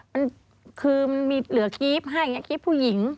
มันคือมันเหลือคลิปให้คลิปผู้หญิง